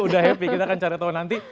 udah happy kita akan cari tahu nanti